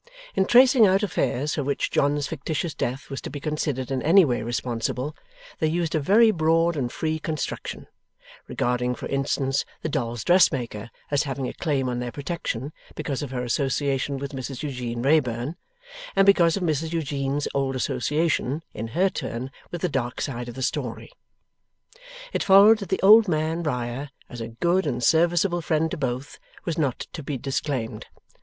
In tracing out affairs for which John's fictitious death was to be considered in any way responsible, they used a very broad and free construction; regarding, for instance, the dolls' dressmaker as having a claim on their protection, because of her association with Mrs Eugene Wrayburn, and because of Mrs Eugene's old association, in her turn, with the dark side of the story. It followed that the old man, Riah, as a good and serviceable friend to both, was not to be disclaimed.